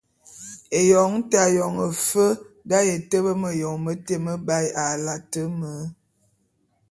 Éyoň té ayong afe d’aye tebe méyoñ mete mebae a late me.